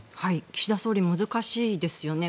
岸田総理難しいですよね。